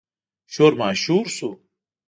شور ماشور شو.